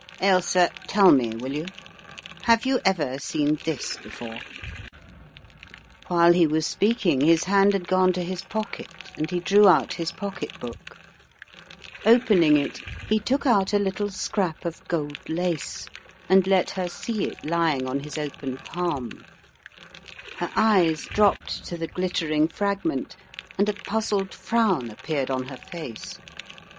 Ailsa, tell me, will you? Have you ever seen this before? " 166 The Riddle of the Purple Emperor While he was speaking his hand had gone to his pocket, and he drew out his pocketbook. Opening it, he took out a little scrap of gold lace and let her see it lying on his open palm. Her eyes dropped to the glittering fragment and a puzzled frown appeared on her face.